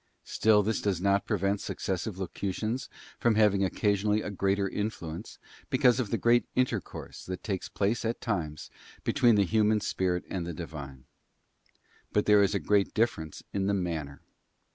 Still this does not prevent successive locu _ tions from having occasionally a greater influence, because of the great intercourse, that takes place at times, between the human spirit and the Divine. But there is a great difference in the manner.